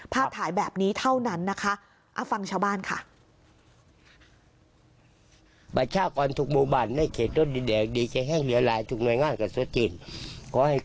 ถ่ายแบบนี้เท่านั้นนะคะฟังชาวบ้านค่ะ